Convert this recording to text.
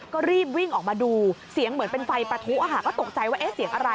ก็รีบวิ่งออกมาดูเสียงเหมือนเป็นไฟประทุก็ตกใจว่าเอ๊ะเสียงอะไร